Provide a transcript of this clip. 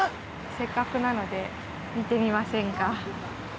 せっかくなので見てみませんか？